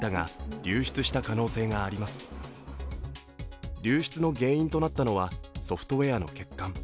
流出の原因となったのはソフトウェアの欠陥。